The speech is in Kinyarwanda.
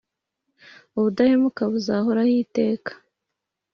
ubudahemuka buzahoraho iteka.